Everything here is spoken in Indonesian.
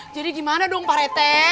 jadi gimana dong pak rata